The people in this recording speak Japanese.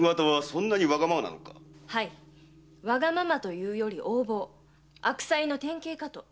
はいわがままと言うより横暴悪妻の典型かと。